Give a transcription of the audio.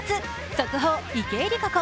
速報、池江璃花子。